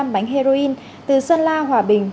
tám mươi năm bánh heroin từ sơn la hòa bình